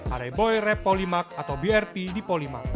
ada boy rap polimak atau brt di polimak